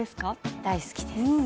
大好きです。